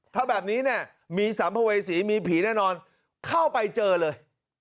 ถ้าแบบนี้เนี่ยมีสัมภเวษีมีผีแน่นอนเข้าไปเจอเลย